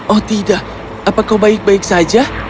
oh tidak apa kau baik baik saja